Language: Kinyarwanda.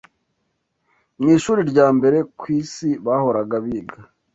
mu ishuri rya mbere ku si bahoraga biga